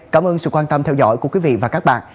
cảm ơn sự quan tâm theo dõi của quý vị và các bạn